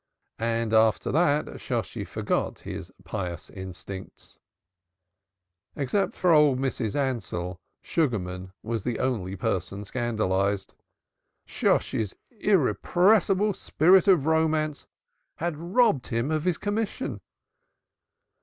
After that Shosshi forgot his pious instincts. Except old Mrs. Ansell, Sugarman was the only person scandalized. Shosshi's irrepressible spirit of romance had robbed him of his commission.